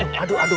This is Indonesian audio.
aduh aduh aduh